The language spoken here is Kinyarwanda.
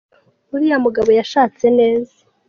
Uriya mugabo yashatse neza.